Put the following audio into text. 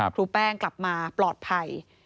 ครูแป้งกลับมาปลอดภัย